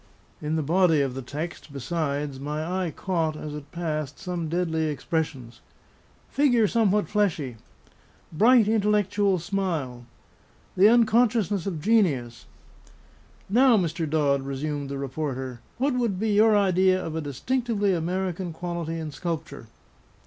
In the body of the text, besides, my eye caught, as it passed, some deadly expressions: "Figure somewhat fleshy," "bright, intellectual smile," "the unconsciousness of genius," "'Now, Mr. Dodd,' resumed the reporter, 'what would be your idea of a distinctively American quality in sculpture?'"